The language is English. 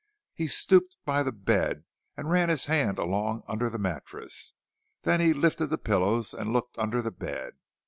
He stooped by the bed and ran his hand along under the mattresses; then he lifted the pillows and looked under the bed.